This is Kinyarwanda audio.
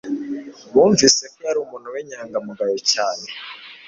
Bumvise ko yari umuntu w'inyangamugayo cyane.